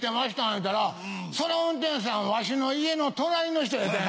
言うたらその運転手さんわしの家の隣の人やってん。